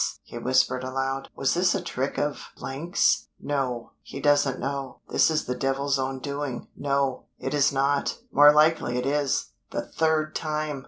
he whispered aloud, "was this a trick of 's? No! he doesn't know This is the devil's own doing no! it is not more likely it is The third time!